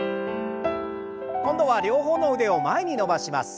今度は両方の腕を前に伸ばします。